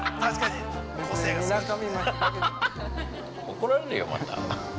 ◆怒られるよ、また。